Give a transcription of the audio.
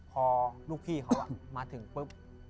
พอลูกพี่เขามาถึงปุ๊บ